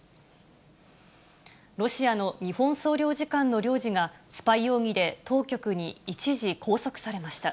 ロシアの日本総領事館の領事が、スパイ容疑で当局に一時拘束されました。